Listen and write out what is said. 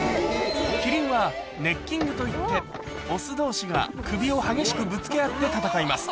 キリンは、ネッキングといって、雄どうしが首を激しくぶつけ合って戦います。